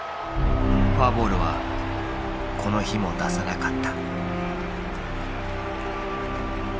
フォアボールはこの日も出さなかった。